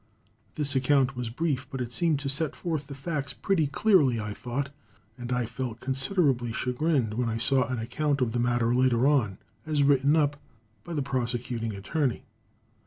This account was brief, but it seemed to set forth the facts pretty clearly, I thought, and I felt considerably chagrined when I saw an account of the matter latter on, as written up by the prosecuting attorney.